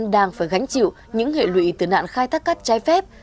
đang phải gánh chịu những hệ lụy tử nạn khai thác cắt trái phép